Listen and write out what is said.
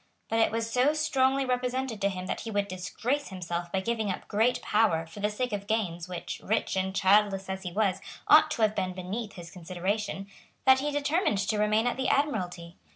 But it was so strongly represented to him that he would disgrace himself by giving up great power for the sake of gains which, rich and childless as he was, ought to have been beneath his consideration, that he determined to remain at the Admiralty.